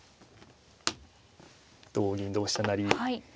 同銀同飛車成。